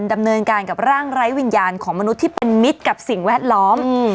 ดำเนินการกับร่างไร้วิญญาณของมนุษย์ที่เป็นมิตรกับสิ่งแวดล้อม